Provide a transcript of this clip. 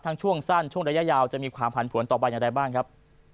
ช่วงสั้นช่วงระยะยาวจะมีความผันผวนต่อไปอย่างไรบ้างครับ